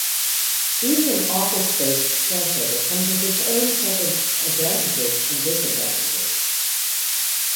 Being an office-based translator comes with its own set of advantages and disadvantages.